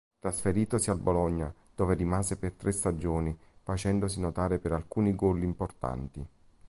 Trasferitosi al Bologna, dove rimase per tre stagioni, facendosi notare per alcuni gol importanti.